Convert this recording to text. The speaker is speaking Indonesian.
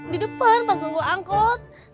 di depan pas nunggu angkot